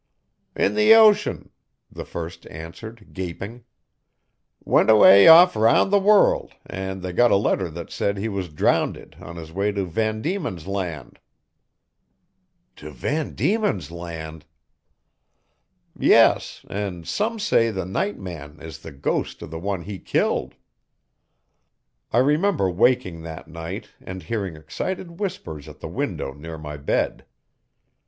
'In the ocean,' the first answered gaping. 'Went away off 'round the world an' they got a letter that said he was drownded on his way to Van Dieman's Land.' 'To Van Dieman's Land!' 'Yes, an some say the night man is the ghost o' the one he killed.' I remember waking that night and hearing excited whispers at the window near my bed.